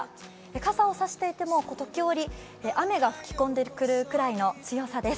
傘を差していても時折、雨が吹き込んでくるくらいの強さです。